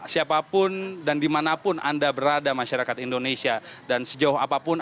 siapapun dan dimanapun anda berada masyarakat indonesia dan sejauh apapun